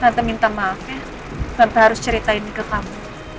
tante minta maaf ya tante harus cerita ini ke kamu